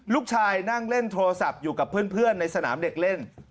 ลูกชายนั่งเล่นโทรศัพท์อยู่กับเพื่อนในสนามเด็กเล่น